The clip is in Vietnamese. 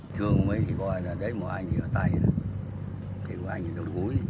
thương ấy thì gọi là đấy mà anh ấy ở tay này thì của anh ấy ở đôi gối